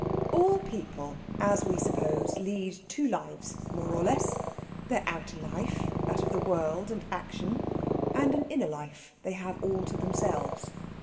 All people, as we suppose, lead two lives, more or less their outer life, that of the world and action, and an inner life they have all to themselves.